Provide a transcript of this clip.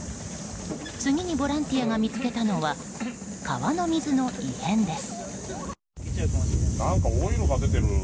次にボランティアが見つけたのは川の水の異変です。